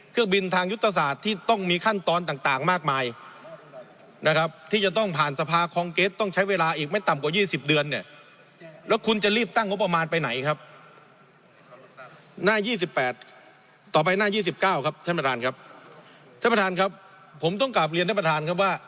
ผมต้องกลับเรียนท่านประธานครับว่า